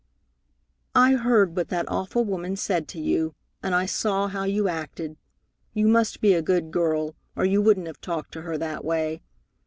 "I heard what that awful woman said to you, and I saw how you acted. You must be a good girl, or you wouldn't have talked to her that way.